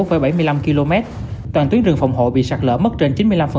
trong khoảng bảy mươi năm km toàn tuyến rừng phòng hộ bị sạt lỡ mất trên chín mươi năm